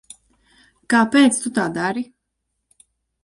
Kāpēc tu tā dari?